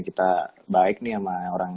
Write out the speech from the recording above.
kita baik nih sama orang